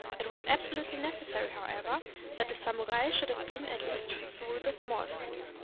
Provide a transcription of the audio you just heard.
It was absolutely necessary, however, that a samurai should have been at least through the Small School.